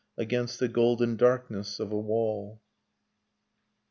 Against the golden darkness of a wall.